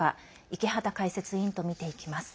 池畑解説委員と見ていきます。